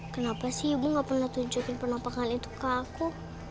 kenapa sih ibu gak pernah tunjukin penampakan itu ke aku